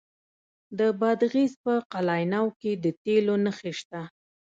د بادغیس په قلعه نو کې د تیلو نښې شته.